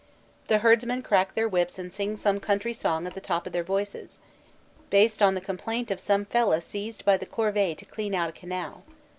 The herdsmen crack their whips and sing some country song at the top of their voices, based on the complaint of some fellah seized by the corvée to clean out a canal.